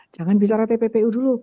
jangan bicara tppu dulu